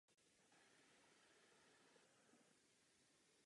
Proto je tak důležité, aby byly údaje transparentní a srovnatelné.